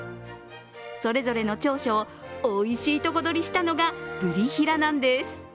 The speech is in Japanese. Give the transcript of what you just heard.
それぞれの長所をおいしいとこ取りしたのがブリヒラなんです。